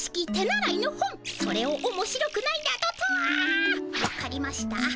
わかりました。